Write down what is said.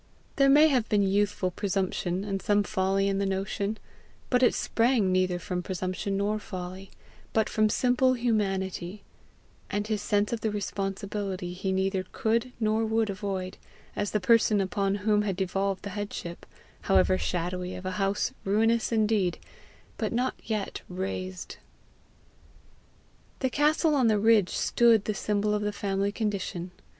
There may have been youthful presumption and some folly in the notion, but it sprang neither from presumption nor folly, but from simple humanity, and his sense of the responsibility he neither could nor would avoid, as the person upon whom had devolved the headship, however shadowy, of a house, ruinous indeed, but not yet razed. The castle on the ridge stood the symbol of the family condition.